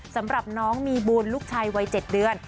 สำหรับน้องมีบุญลูกชายวัย๗เดือน